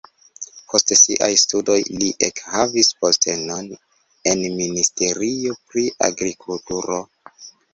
Post siaj studoj li ekhavis postenon en ministerio pri agrikulturo.